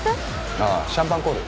あぁシャンパンコール。